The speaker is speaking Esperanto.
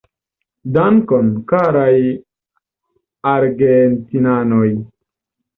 Dankon, karaj argentinanoj.